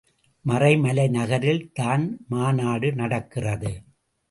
மறைமலை நகரில் தான் மாநாடு நடக்கிறது.